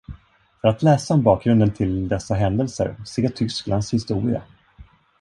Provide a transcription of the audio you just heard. För att läsa om bakgrunden till dessa händelser, se Tysklands historia.